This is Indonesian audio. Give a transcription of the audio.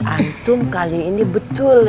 antum kali ini betul